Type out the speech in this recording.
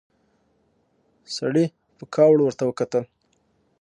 سړي په کاوړ ورته وکتل.